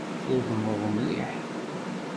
Tudneḍ mliḥ.